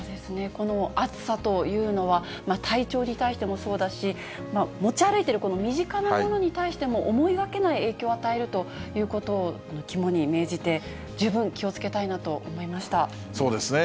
この暑さというのは、体調に対してもそうだし、持ち歩いている身近なものに対しても、思いがけない影響を与えるということを肝に銘じて、そうですね。